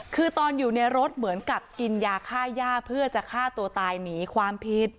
คือตอนอยู่ในรถเหมือนกับกินยาฆ่าย่าเพื่อจะฆ่าตัวตายหนีความผิด